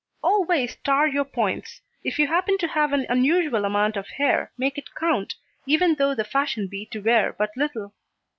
Always star your points. If you happen to have an unusual amount of hair, make it count, even though the fashion be to wear but little.